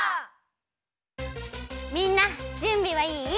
みんなじゅんびはいい？